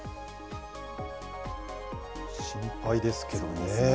心配ですけどね。